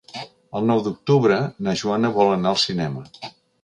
El nou d'octubre na Joana vol anar al cinema.